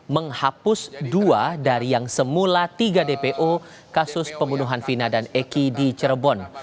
menghapus dua dari yang semula tiga dpo kasus pembunuhan vina dan eki di cirebon